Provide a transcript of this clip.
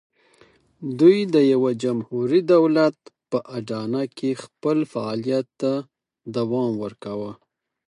دوی په یوه جمهوري دولت په اډانه کې خپل فعالیت ته دوام ورکاوه.